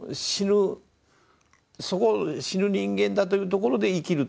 死ぬ人間だというところで生きると。